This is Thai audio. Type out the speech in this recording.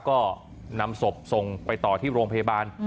ก็นำศพส่งไปต่อที่โรงพยาบาล